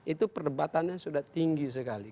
itu perdebatannya sudah tinggi sekali